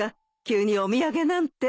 急にお土産なんて。